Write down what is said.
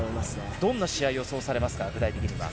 どんな試合を予想されますか？